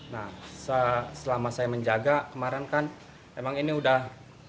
nah selama saya menjaga kemarin kan emang ini udah